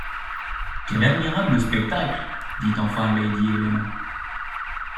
Quel admirable spectacle ! dit enfin lady Helena.